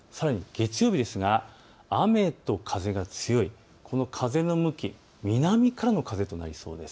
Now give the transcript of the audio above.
月曜日ですが雨と風が強い、この風の向き、南からの風となりそうです。